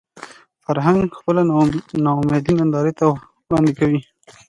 فرهنګ خپله ناامیدي نندارې ته وړاندې کوي